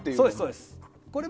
そうです。